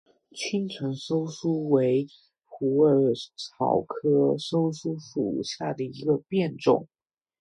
青城溲疏为虎耳草科溲疏属下的一个变种。